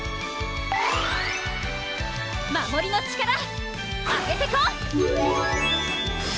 守りの力アゲてこ！